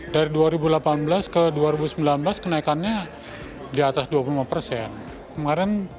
dari dua ribu delapan belas ke dua ribu sembilan belas kenaikannya di atas dua puluh lima persen